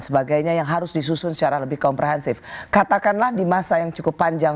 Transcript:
sebagainya yang harus disusun secara lebih komprehensif katakanlah di masa yang cukup panjang